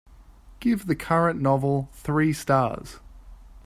Give the current novel three stars